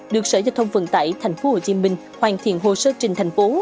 được sở giao thông vận tải thành phố hồ chí minh hoàn thiện hồ sơ trình thành phố